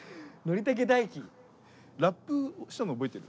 ラップしたの覚えてる？